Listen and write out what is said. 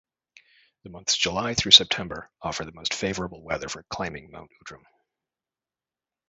The months July through September offer the most favorable weather for climbing Mount Outram.